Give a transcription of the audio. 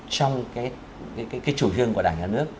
trong chủ hương của đảng nhà nước